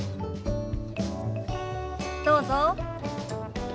どうぞ。